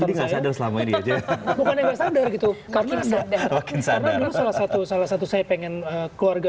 jadi saya sadar selama ini aja bukan yang nggak sadar gitu karena salah satu salah satu saya pengen keluarga